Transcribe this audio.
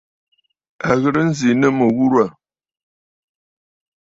À ghɨ̀rə nzì nɨ mɨ̀ghurə̀.